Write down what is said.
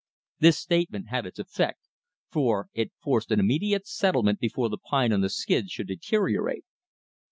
This statement had its effect, for it forced an immediate settlement before the pine on the skids should deteriorate.